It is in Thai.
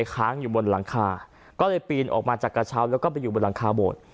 ค้างอยู่บนหลังคาก็เลยปีนออกมาจากกระเช้าแล้วก็ไปอยู่บนหลังคาโบสถ์